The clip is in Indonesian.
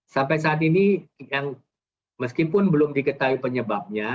sampai saat ini yang meskipun belum diketahui penyebabnya